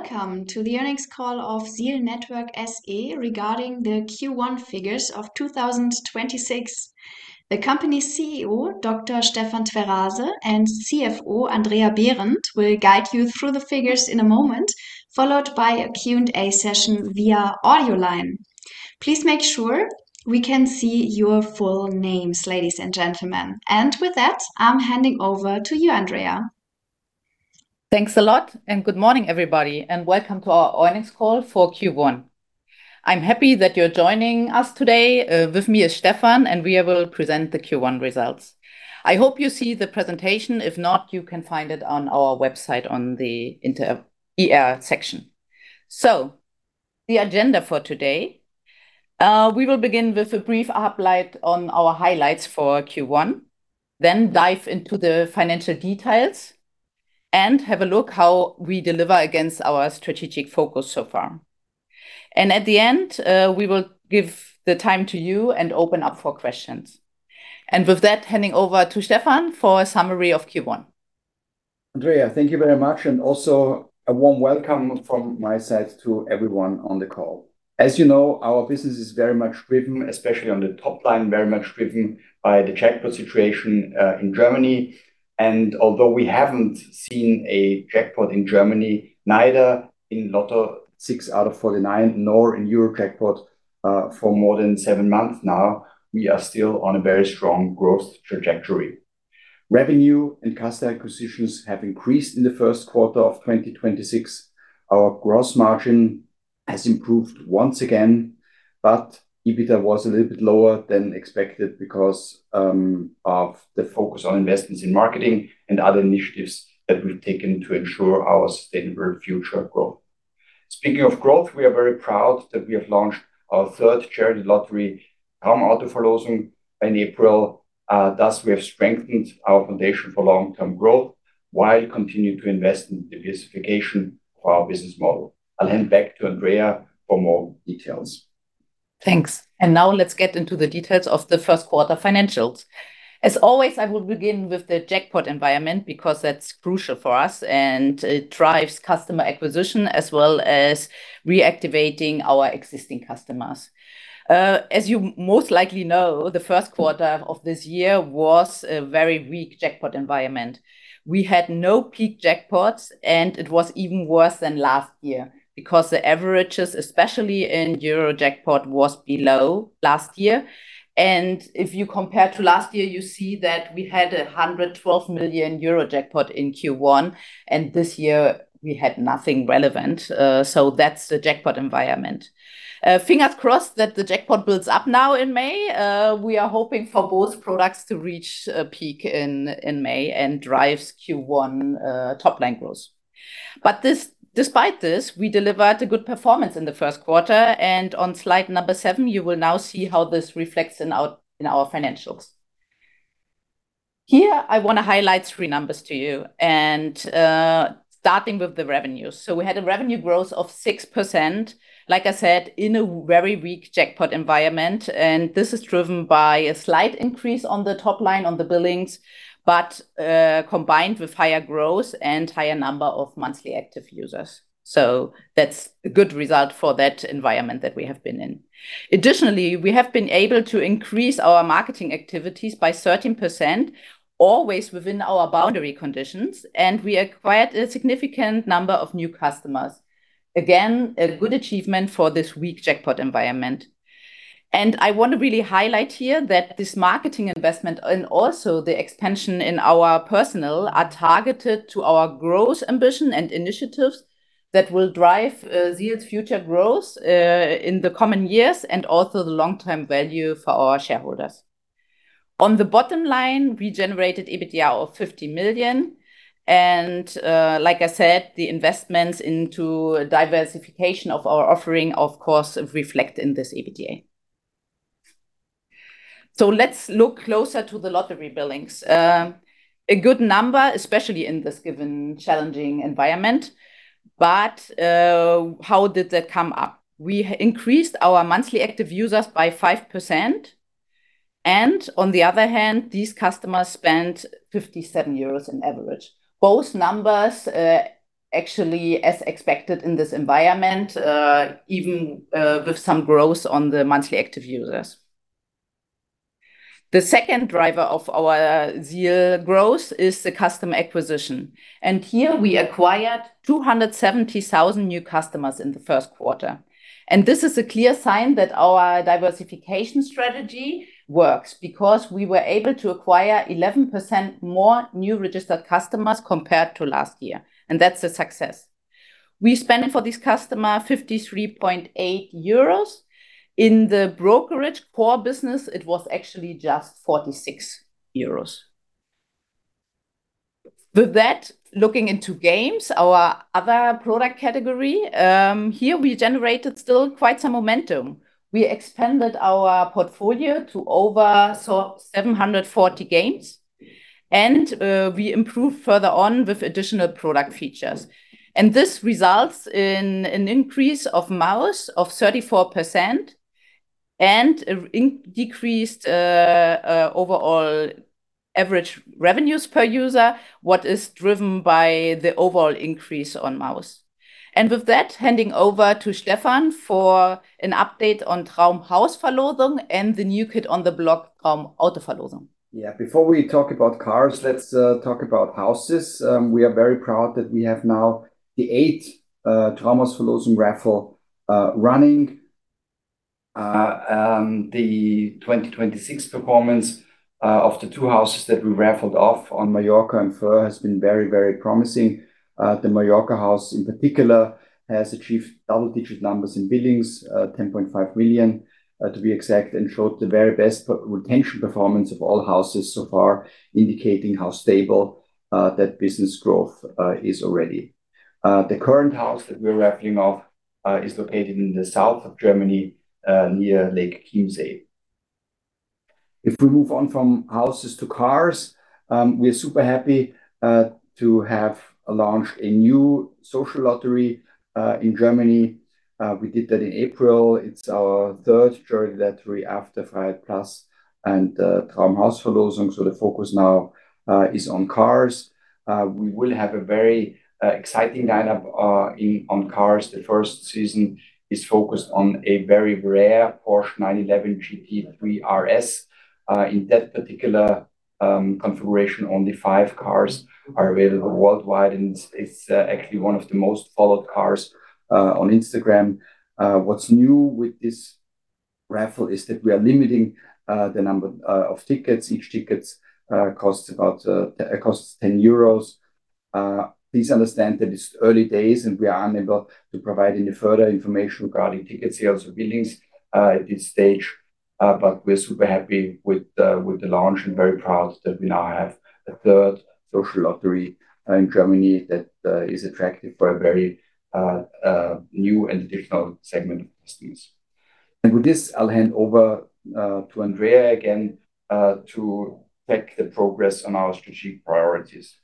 Welcome to the earnings call of ZEAL Network SE regarding the Q1 figures of 2026. The company's CEO, Dr. Stefan Tweraser, and CFO, Andrea Behrendt, will guide you through the figures in a moment, followed by a Q&A session via audio line. Please make sure we can see your full names, ladies and gentlemen. With that, I'm handing over to you, Andrea. Thanks a lot. Good morning, everybody, welcome to our earnings call for Q1. I'm happy that you're joining us today. With me is Stefan, we will present the Q1 results. I hope you see the presentation. If not, you can find it on our website on the Investor Relations section. The agenda for today. We will begin with a brief update on our highlights for Q1, dive into the financial details, have a look how we deliver against our strategic focus so far. At the end, we will give the time to you, open up for questions. With that, handing over to Stefan for a summary of Q1. Andrea, thank you very much, and also a warm welcome from my side to everyone on the call. As you know, our business is very much driven, especially on the top line, very much driven by the jackpot situation in Germany. Although we haven't seen a jackpot in Germany, neither in LOTTO 6aus49 nor in Eurojackpot, for more than seven months now, we are still on a very strong growth trajectory. Revenue and customer acquisitions have increased in the 1st quarter of 2026. Our gross margin has improved once again, EBITDA was a little bit lower than expected because of the focus on investments in marketing and other initiatives that we've taken to ensure our sustainable future growth. Speaking of growth, we are very proud that we have launched our 3rd charity lottery, Traumautoverlosung, in April. Thus we have strengthened our foundation for long-term growth while continuing to invest in diversification of our business model. I'll hand back to Andrea for more details. Thanks. Now let's get into the details of the first quarter financials. As always, I will begin with the jackpot environment because that's crucial for us, and it drives customer acquisition as well as reactivating our existing customers. As you most likely know, the first quarter of this year was a very weak jackpot environment. We had no peak jackpots, and it was even worse than last year because the averages, especially in Eurojackpot, was below last year. If you compare to last year, you see that we had a 112 million Eurojackpot in Q1, and this year we had nothing relevant. That's the jackpot environment. Fingers crossed that the jackpot builds up now in May. We are hoping for both products to reach a peak in May and drives Q1 top line growth. Despite this, we delivered a good performance in the first quarter, and on slide number seven, you will now see how this reflects in our financials. Here, I wanna highlight three numbers to you, starting with the revenues. We had a revenue growth of 6%, like I said, in a very weak jackpot environment, and this is driven by a slight increase on the top line on the billings, combined with higher growth and higher number of monthly active users. That's a good result for that environment that we have been in. Additionally, we have been able to increase our marketing activities by 13%, always within our boundary conditions, and we acquired a significant number of new customers. Again, a good achievement for this weak jackpot environment. I want to really highlight here that this marketing investment and also the expansion in our personnel are targeted to our growth ambition and initiatives that will drive ZEAL's future growth in the coming years and also the long-term value for our shareholders. On the bottom line, we generated EBITDA of 50 million, like I said, the investments into diversification of our offering, of course, reflect in this EBITDA. Let's look closer to the lottery billings. A good number, especially in this given challenging environment, but how did that come up? We increased our monthly active users by 5%, and on the other hand, these customers spent 57 euros in average. Both numbers, actually as expected in this environment, even with some growth on the monthly active users. The second driver of our ZEAL growth is the customer acquisition, and here we acquired 270,000 new customers in the first quarter. This is a clear sign that our diversification strategy works because we were able to acquire 11% more new registered customers compared to last year, and that's a success. We spend for this customer 53.8 euros. In the brokerage core business, it was actually just 46 euros. With that, looking into games, our other product category, here we generated still quite some momentum. We expanded our portfolio to over 740 games, and we improved further on with additional product features. This results in an increase of MAUs of 34% and in decreased overall average revenues per user, what is driven by the overall increase on MAUs. With that, handing over to Dr. Stefan Tweraser for an update on Traumhausverlosung and the new kid on the block, Traumautoverlosung. Before we talk about cars, let's talk about houses. We are very proud that we have now the eighth Traumhausverlosung raffle running. The 2026 performance of the two houses that we raffled off on Mallorca and Föhr has been very, very promising. The Mallorca house in particular has achieved double-digit numbers in billings, 10.5 million to be exact, and showed the very best retention performance of all houses so far, indicating how stable that business growth is already. The current house that we're raffling off is located in the south of Germany near Lake Chiemsee. If we move on from houses to cars, we're super happy to have launched a new social lottery in Germany. We did that in April. It's our third lottery after freiheit+ and the Traumhausverlosung, so the focus now is on cars. We will have a very exciting lineup in on cars. The first season is focused on a very rare Porsche 911 GT3 RS. In that particular configuration, only five cars are available worldwide, and it's actually one of the most followed cars on Instagram. What's new with this raffle is that we are limiting the number of tickets. Each tickets costs 10 euros. Please understand that it's early days, and we are unable to provide any further information regarding ticket sales or billings at this stage. We're super happy with the launch and very proud that we now have a third social lottery in Germany that is attractive for a very new and different segment of customers. With this, I'll hand over to Andrea again to take the progress on our strategic priorities.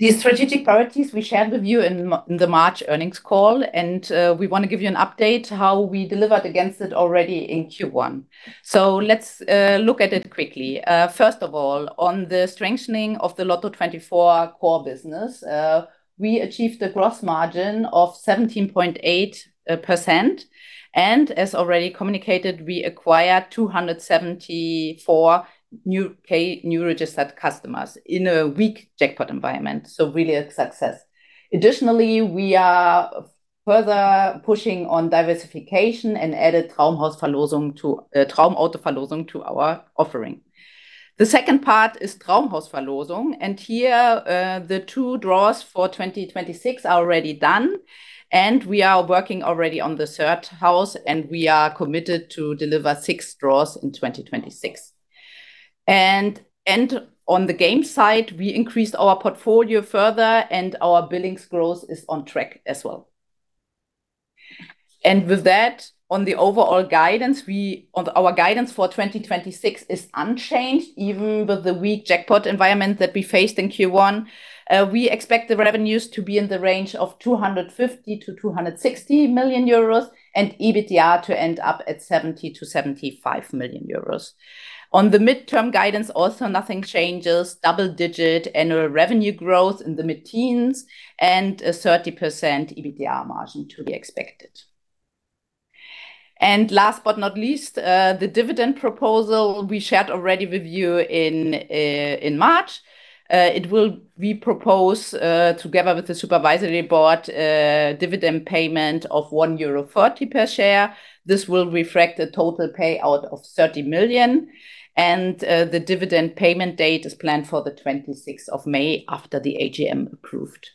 The strategic priorities we shared with you in the March earnings call, we wanna give you an update how we delivered against it already in Q1. Let's look at it quickly. First of all, on the strengthening of the Lotto24 core business, we achieved a gross margin of 17.8%, as already communicated, we acquired 274 new pay new registered customers in a weak jackpot environment, really a success. Additionally, we are further pushing on diversification and added Traumhausverlosung to Traumautoverlosung to our offering. The second part is Traumhausverlosung, here the two draws for 2026 are already done, we are working already on the third house, we are committed to deliver six draws in 2026. On the game side, we increased our portfolio further, and our billings growth is on track as well. With that, on the overall guidance, on our guidance for 2026 is unchanged, even with the weak jackpot environment that we faced in Q1. We expect the revenues to be in the range of 250 million-260 million euros and EBITDA to end up at 70 million-75 million euros. On the midterm guidance, also nothing changes. Double-digit annual revenue growth in the mid-teens and a 30% EBITDA margin to be expected. Last but not least, the dividend proposal we shared already with you in March. We propose, together with the supervisory board, a dividend payment of 1.40 euro per share. This will reflect a total payout of 30 million. The dividend payment date is planned for the 26th of May after the AGM approved.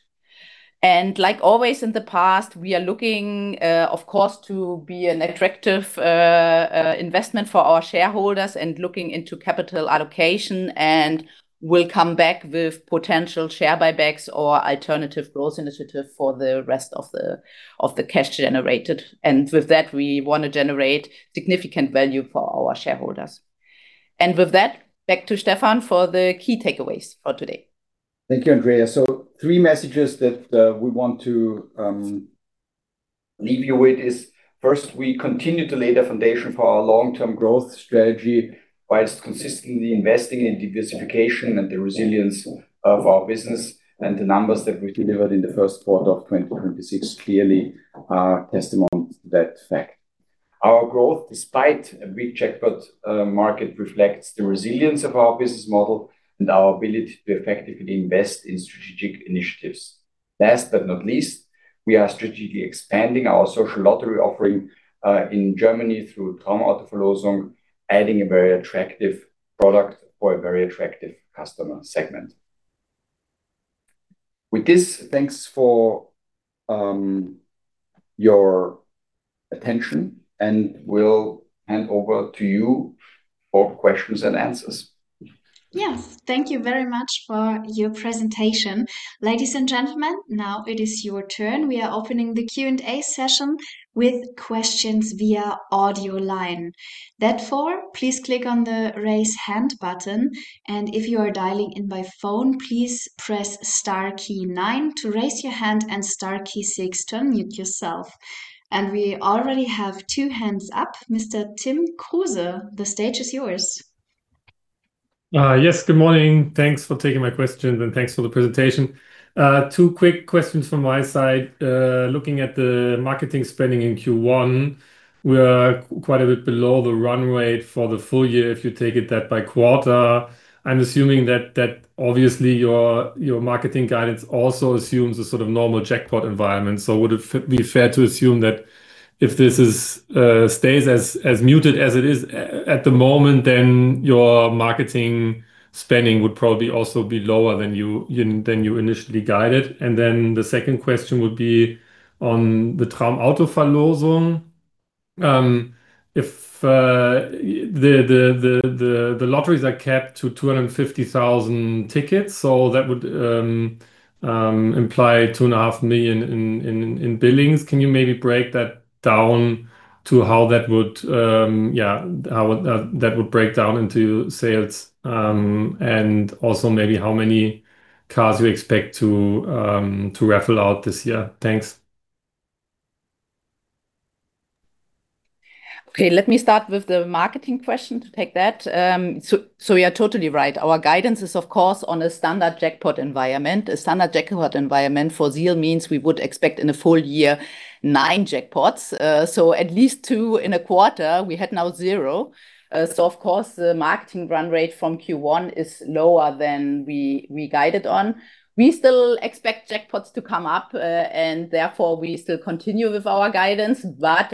Like always in the past, we are looking, of course, to be an attractive investment for our shareholders and looking into capital allocation, and we'll come back with potential share buybacks or alternative growth initiative for the rest of the cash generated. With that, we wanna generate significant value for our shareholders. With that, back to Stefan for the key takeaways for today. Thank you, Andrea Behrendt. Three messages that we want to leave you with is, first, we continue to lay the foundation for our long-term growth strategy whilst consistently investing in diversification and the resilience of our business. The numbers that we delivered in the first quarter of 2026 clearly are testament to that fact. Our growth, despite a weak jackpot market, reflects the resilience of our business model and our ability to effectively invest in strategic initiatives. Last but not least, we are strategically expanding our social lottery offering in Germany through Traumautoverlosung, adding a very attractive product for a very attractive customer segment. With this, thanks for your attention, and we'll hand over to you for questions and answers. Yes. Thank you very much for your presentation. Ladies and gentlemen, now it is your turn. We are opening the Q&A session with questions via audio line. Therefore, please click on the Raise Hand button, and if you are dialing in by phone, please press star key nine to raise your hand and star key six to unmute yourself. We already have two hands up. Mr. Tim Kruse, the stage is yours. Yes. Good morning. Thanks for taking my questions, and thanks for the presentation. Two quick questions from my side. Looking at the marketing spending in Q1, we are quite a bit below the run rate for the full year if you take it that by quarter. I'm assuming that obviously your marketing guidance also assumes a sort of normal jackpot environment. Would it be fair to assume that if this stays as muted as it is at the moment, then your marketing spending would probably also be lower than you initially guided? The second question would be on the Traumautoverlosung. If the lotteries are capped to 250,000 tickets, that would imply 2.5 million in billings. Can you maybe break that down to how that would break down into sales, and also maybe how many cars you expect to raffle out this year? Thanks. Okay. Let me start with the marketing question to take that. You are totally right. Our guidance is, of course, on a standard jackpot environment. A standard jackpot environment for ZEAL means we would expect in a full year nine jackpots. At least two in a quarter. We had now zero. Of course the marketing run rate from Q1 is lower than we guided on. We still expect jackpots to come up, and therefore we still continue with our guidance.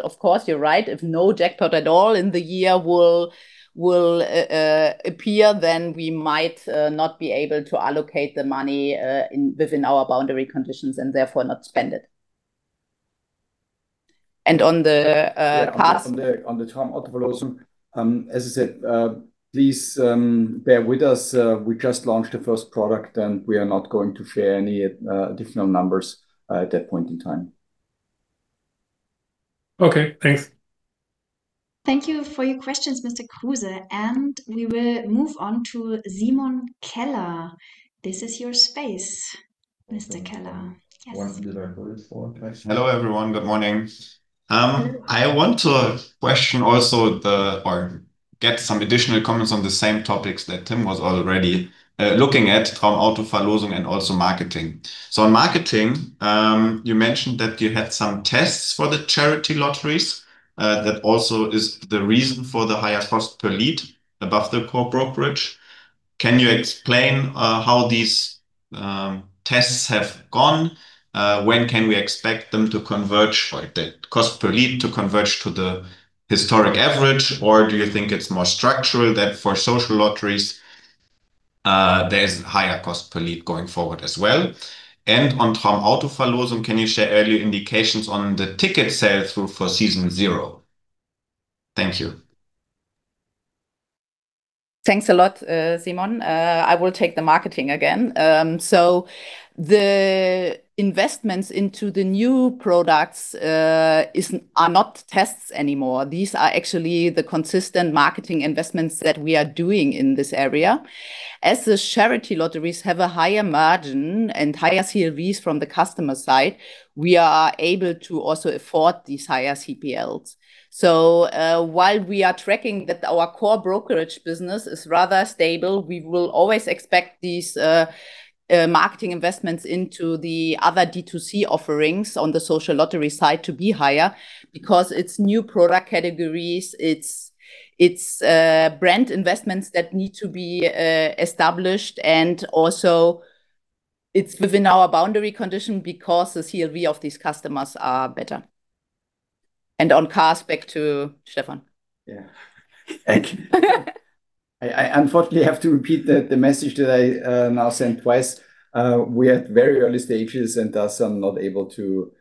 Of course you're right, if no jackpot at all in the year will appear, then we might not be able to allocate the money within our boundary conditions and therefore not spend it. Yeah. On the Traumautoverlosung, as I said, please bear with us. We just launched the first product, and we are not going to share any additional numbers at that point in time. Okay. Thanks. Thank you for your questions, Mr. Kruse. We will move on to Simon Keller. This is your space, Mr. Keller. Yes. Hello, everyone. Good morning. I want to question also the, or get some additional comments on the same topics that Tim was already looking at from Traumautoverlosung and also marketing. On marketing, you mentioned that you had some tests for the charity lotteries, that also is the reason for the higher cost per lead above the core brokerage. Can you explain how these tests have gone? When can we expect them to converge, like the cost per lead to converge to the historic average? Do you think it's more structural that for social lotteries, there's higher cost per lead going forward as well? On Traumautoverlosung, can you share early indications on the ticket sales for season zero? Thank you. Thanks a lot, Simon. I will take the marketing again. The investments into the new products are not tests anymore. These are actually the consistent marketing investments that we are doing in this area. The charity lotteries have a higher margin and higher CRVs from the customer side, we are able to also afford these higher CPLs. While we are tracking that our core brokerage business is rather stable, we will always expect these marketing investments into the other D2C offerings on the social lottery side to be higher because it's new product categories, it's brand investments that need to be established, and also it's within our boundary condition because the CRV of these customers are better. On cars, back to Stefan. Yeah. Thank you. I unfortunately have to repeat the message that I now sent twice. We are at very early stages, and thus I'm not able to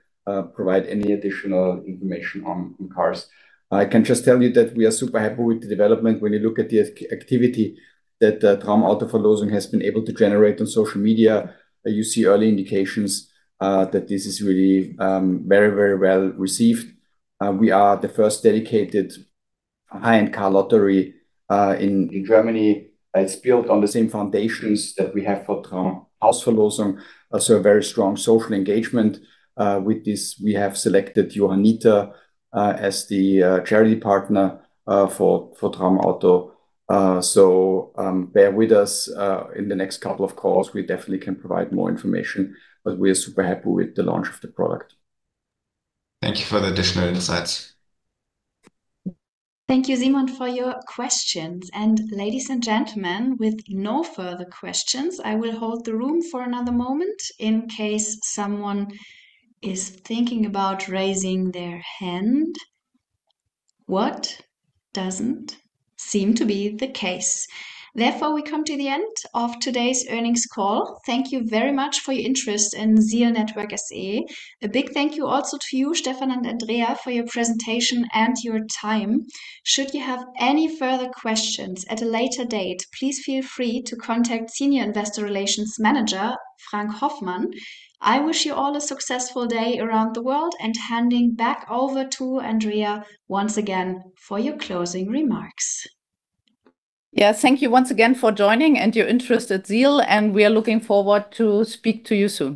provide any additional information on cars. I can just tell you that we are super happy with the development. When you look at the activity that the Traumautoverlosung has been able to generate on social media, you see early indications that this is really very well received. We are the first dedicated high-end car lottery in Germany. It's built on the same foundations that we have for Traumhausverlosung, also a very strong social engagement. With this, we have selected Johanniter as the charity partner for Traumauto. Bear with us. In the next couple of calls we definitely can provide more information, but we are super happy with the launch of the product. Thank you for the additional insights. Thank you, Simon, for your questions. Ladies and gentlemen, with no further questions, I will hold the room for another moment in case someone is thinking about raising their hand, what doesn't seem to be the case. Therefore, we come to the end of today's earnings call. Thank you very much for your interest in ZEAL Network SE. A big thank you also to you, Stefan and Andrea, for your presentation and your time. Should you have any further questions at a later date, please feel free to contact Senior Investor Relations Manager, Frank Hoffmann. I wish you all a successful day around the world, and handing back over to Andrea once again for your closing remarks. Yes. Thank you once again for joining and your interest at ZEAL, and we are looking forward to speak to you soon.